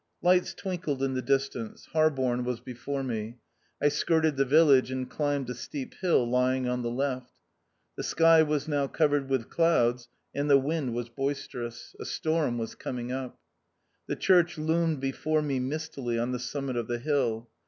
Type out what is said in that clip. Lights twinkled in the distance. Har THE OUTCAST. 135 borne was before me. I skirted the village, and climbed a steep hill lying on the left. The sky was now covered with clouds, and the wind was boisterous. A storm was com ing up. The church loomed before me mistily on the summit of the hill.